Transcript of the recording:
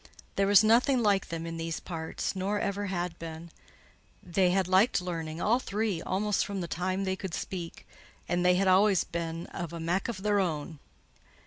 There was nothing like them in these parts, nor ever had been; they had liked learning, all three, almost from the time they could speak; and they had always been "of a mak' of their own."